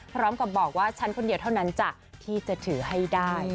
พร้อมกับบอกว่าฉันคนเดียวเท่านั้นจ้ะที่จะถือให้ได้